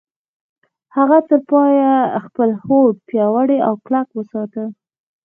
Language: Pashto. هغه تر پايه خپل هوډ پياوړی او کلک وساته.